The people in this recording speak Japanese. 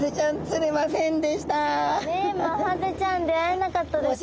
ねっマハゼちゃん出会えなかったですね。